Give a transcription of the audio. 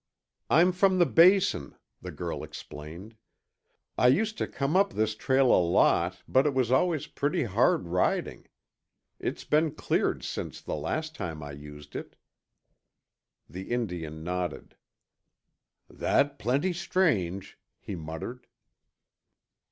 "I'm from the Basin," the girl explained. "I used to come up this trail a lot, but it was always pretty hard riding. It's been cleared since the last time I used it." The Indian nodded. "That plenty strange," he muttered.